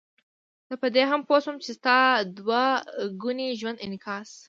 زه په دې هم پوه شوم چې ستا د دوه ګوني ژوند انعکاس.